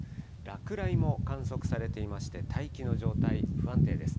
落雷も観測されていまして、大気の状態、不安定です。